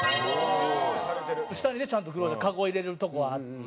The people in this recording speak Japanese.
下にねちゃんとかご入れるとこあって。